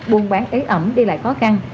buôn bán ế ẩm đi lại khó khăn